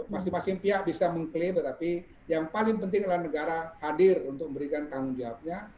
masing masing pihak bisa mengklaim tetapi yang paling penting adalah negara hadir untuk memberikan tanggung jawabnya